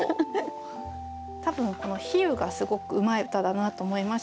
多分比喩がすごくうまい歌だなと思いました。